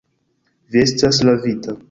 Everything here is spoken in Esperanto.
Vi estas lavita.